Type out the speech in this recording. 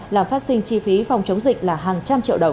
làm phát sinh chi phí phòng chống dịch là hàng trăm triệu đồng